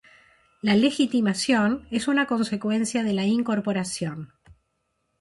La legitimación es una consecuencia de la incorporación.